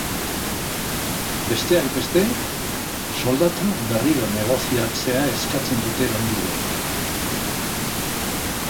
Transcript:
Besteak beste, soldata berriro negoziatzea eskatzen dute langileek.